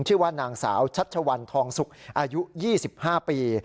ชื่อว่านางสาวชัชวัลทองสุกอายุ๒๕ปี